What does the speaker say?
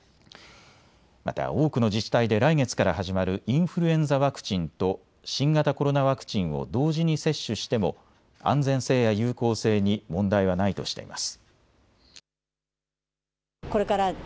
また多くの自治体で来月から始まるインフルエンザワクチンと新型コロナワクチンを同時に接種しても、安全性や有効性に問題はないとしています。